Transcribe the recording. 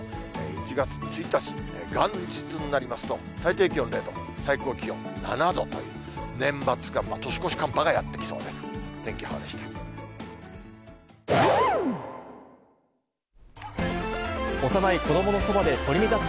１月１日元日になりますと、最低気温０度、最高気温７度という、年末から年越し寒波がやって来そうです。